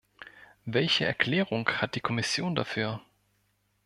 Welche Erklärung hat die Kommission dafür?